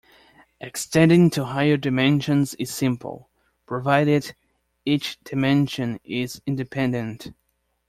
Extending to higher dimensions is simple, provided each dimension is independent.